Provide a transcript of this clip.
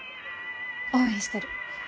応援してる。